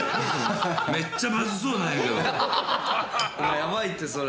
やばいってそれ。